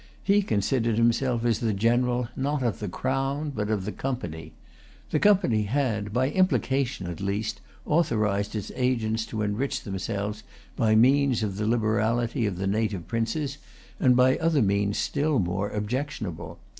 He considered himself as the general, not of the Crown, but of the Company. The Company had, by implication at least, authorised its agents to enrich themselves by means of the liberality of the native princes, and by other means still more objectionable.